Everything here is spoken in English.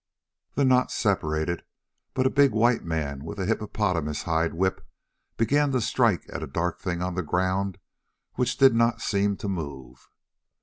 The knot separated, but a big white man with a hippopotamus hide whip began to strike at a dark thing on the ground which did not seem to move.